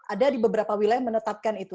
ada di beberapa wilayah menetapkan itu